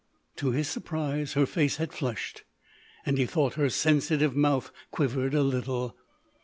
To his surprise her face had flushed, and he thought her sensitive mouth quivered a little.